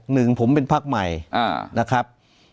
หนึ่งผมเป็นพักใหม่นะครับ